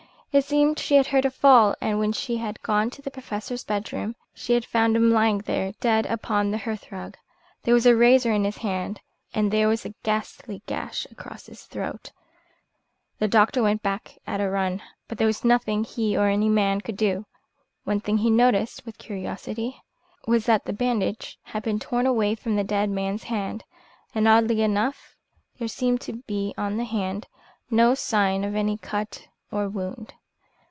It seemed she had heard a fall, and when she had gone into the Professor's bedroom she had found him lying there dead upon the hearthrug. There was a razor in his hand, and there was a ghastly gash across his throat. The doctor went back at a run, but there was nothing he or any man could do. One thing he noticed, with curiosity, was that the bandage had been torn away from the dead man's hand and that oddly enough there seemed to be on the hand no sign of any cut or wound.